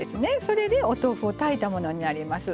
それでお豆腐を炊いたものになります。